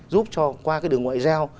giúp cho qua đường ngoại giao